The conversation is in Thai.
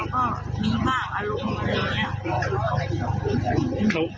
ก็มีมากอารมณ์พวกมันนี้